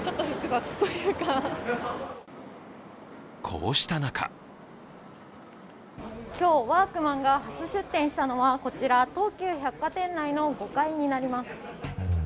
こうした中今日、ワークマンが初出店したのは、こちら、東急百貨店内の５階になります。